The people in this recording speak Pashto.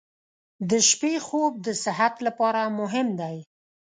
• د شپې خوب د صحت لپاره مهم دی.